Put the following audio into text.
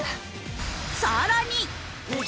さらに。